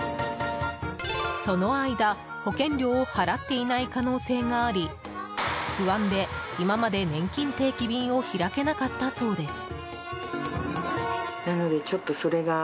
その間、保険料を払っていない可能性があり不安で今まで、ねんきん定期便を開けなかったそうです。